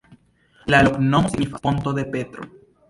La loknomo signifas: ponto de Petro.